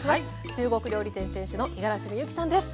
中国料理店店主の五十嵐美幸さんです。